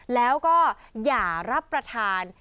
แล้วก็อย่ารับประทาน